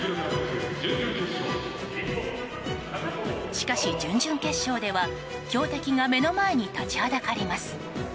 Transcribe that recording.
しかし、準々決勝では強敵が目の前に立ちはだかります。